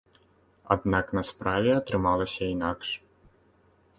Аднак на справе атрымалася інакш.